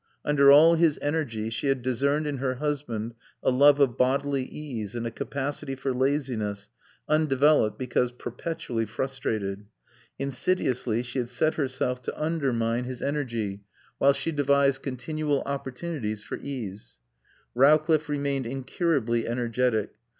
Under all his energy she had discerned in her husband a love of bodily ease, and a capacity for laziness, undeveloped because perpetually frustrated. Insidiously she had set herself to undermine his energy while she devised continual opportunities for ease. Rowcliffe remained incurably energetic.